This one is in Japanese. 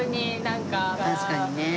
確かにねえ。